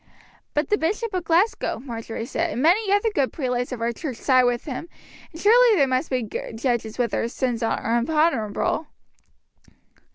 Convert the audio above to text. "But the Bishop of Glasgow," Marjory said, "and many other good prelates of our church side with him, and surely they must be good judges whether his sins are unpardonable."